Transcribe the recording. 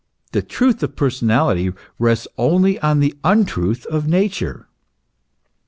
The truth of personality rests only on the untruth of Nature.